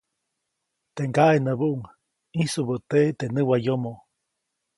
Teʼ ŋgaʼe näbuʼuŋ -ʼĩsubäteʼe teʼ näwayomo-.